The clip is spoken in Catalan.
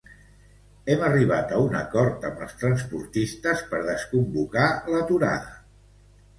Hem arribat a un acord amb els transportistes per desconvocar l'aturada.